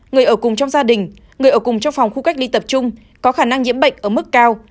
người ở cùng trong gia đình người ở cùng trong phòng khu cách ly tập trung có khả năng nhiễm bệnh ở mức cao